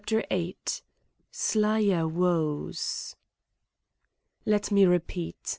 VIII. SLYER WOES Let me repeat.